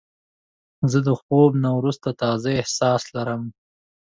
زه د خوب نه وروسته تازه احساس لرم.